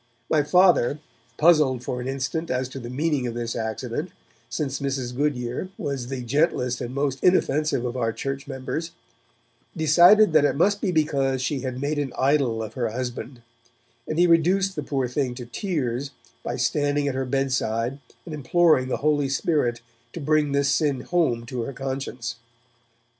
My Father, puzzled for an instant as to the meaning of this accident, since Mrs. Goodyer was the gentlest and most inoffensive of our church members, decided that it must be because she had made an idol of her husband, and he reduced the poor thing to tears by standing at her bed side and imploring the Holy Spirit to bring this sin home to her conscience.